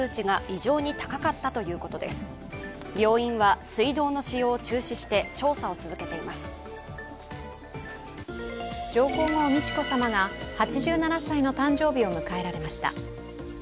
上皇后・美智子さまが８７歳の誕生日を迎えられました。